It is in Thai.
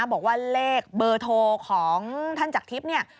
บอกว่าเลขเบอร์โทรของท่านจากทิพย์เนี่ย